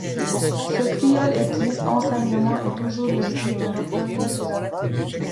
Ce cruel et triste enseignement est toujours le fruit de nos premières douleurs.